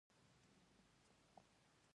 یوه هفته یې په ټول ښار کې څراغونه ولګول.